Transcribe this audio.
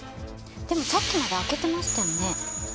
でもさっきまで開けてましたよね？